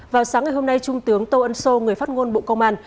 vào sáng ngày hôm nay trung tướng tô ân sô người phát ngôn bộ công an